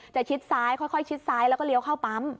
ชิดซ้ายค่อยชิดซ้ายแล้วก็เลี้ยวเข้าปั๊ม